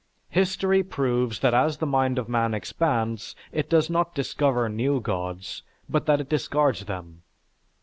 History proves that as the mind of man expands, it does not discover new gods, but that it discards them.